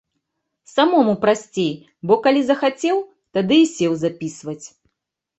Самому прасцей, бо калі захацеў, тады і сеў запісваць.